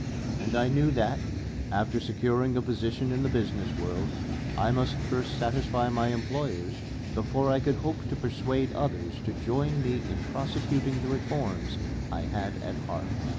And I knew that, after securing a position in the business world, I must first satisfy my employers before I could hope to persuade others to join me in prosecuting the reforms I had at heart.